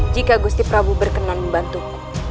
jika gusti prabu berkenan membantuku